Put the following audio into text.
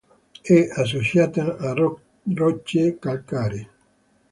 È associata a rocce calcaree.